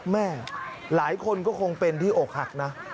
แม่หลายคนก็คงเป็นที่อกหักนะ